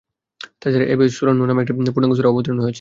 তাছাড়া এ বিষয়ে সূরা নূহ নামে একটি পূর্ণাঙ্গ সূরাও অবতীর্ণ হয়েছে।